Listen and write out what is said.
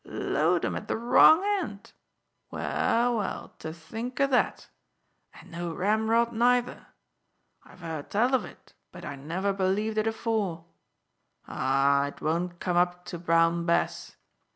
"Load 'em at the wrong end! Well, well, to think o' that! And no ramrod neither! I've heard tell of it, but I never believed it afore. Ah! it won't come up to brown Bess.